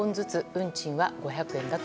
運賃は５００円です。